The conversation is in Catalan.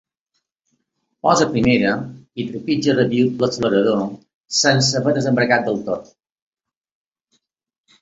Posa primera i trepitja rabiüt l'accelerador sense haver desembragat del tot.